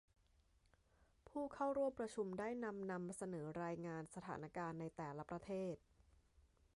ผู้เข้าร่วมประชุมได้นำนำเสนอรายงานสถานการณ์ในแต่ละประเทศ